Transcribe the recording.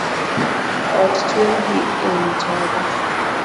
Ot chwer gi ewi tado